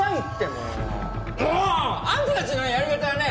もう！あんたたちのやり方はね